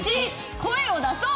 「声を出そう！」。